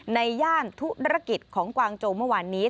ย่านธุรกิจของกวางโจเมื่อวานนี้